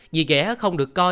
dì ghẻ không được coi